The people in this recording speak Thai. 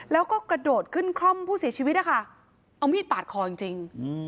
แล้วก็กระโดดขึ้นคล่อมผู้เสียชีวิตนะคะเอามีดปาดคอจริง